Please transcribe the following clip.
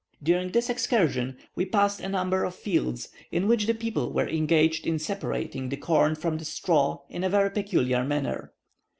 During this excursion we passed a number of fields, in which the people were engaged in separating the corn from the straw in a very peculiar manner.